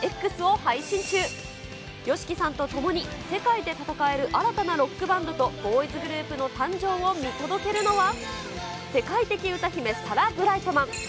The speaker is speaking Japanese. ＹＯＳＨＩＫＩさんとともに、世界で戦える、新たなロックバンドとボーイズグループの誕生を見届けるのは、世界的歌姫、サラ・ブライトマン。